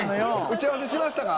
打ち合わせしましたか？